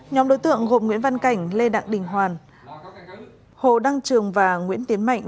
nhóm đối tượng gồm nguyễn văn cảnh lê đặng đình hoàn hồ đăng trường và nguyễn tiến mạnh